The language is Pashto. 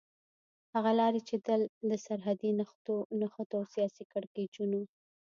هغه لارې چې تل د سرحدي نښتو او سياسي کړکېچونو